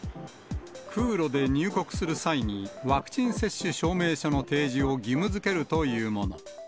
空路で入国する際にワクチン接種証明書の提示を義務づけるというもの。